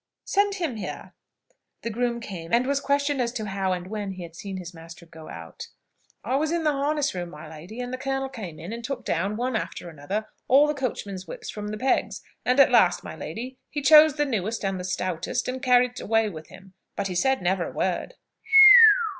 "Send him here." The groom came, and was questioned as to how and when he had seen his master go out. "I was in the harness room, my lady, and the colonel came in, and took down, one after another, all the coachman's whips from the pegs, and at last, my lady, he chose the newest and the stoutest, and carried it away with him: but he said never a word."